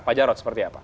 pak jarod seperti apa